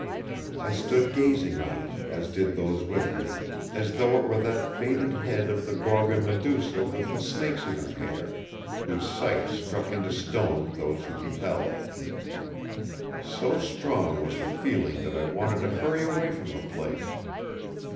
I stood gazing on it, as did those with me, as though it were that faded head of the Gorgon Medusa with the snakes in her hair, whose sight struck into stone those who beheld. So strong was the feeling that I wanted to hurry away from the place.